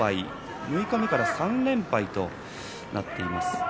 六日目から３連敗となっています。